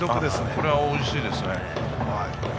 これはおいしいですね。